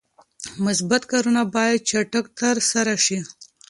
مثبت کارونه باید چټک ترسره شي.